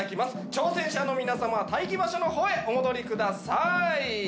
挑戦者の皆様待機場所の方へお戻りください。